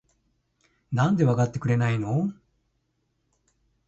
なんでわかってくれないの？？